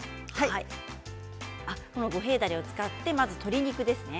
五平だれを使ってまず鶏肉ですね。